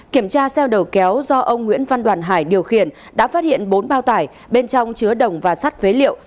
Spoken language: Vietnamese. kiểm tra xe đầu kéo do ông nguyễn văn đoàn hải điều khiển đã phát hiện bốn bao tải bên trong chứa đồng và sắt phế liệu